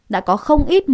đã có không ít mối quan hệ